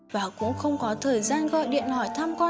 và cũng không có thời gian gọi điện hỏi thăm con